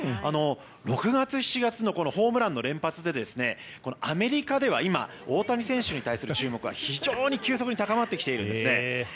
６月７月のホームランの連発でアメリカでは今大谷選手に対する注目が非常に急速に高まってきているんですね。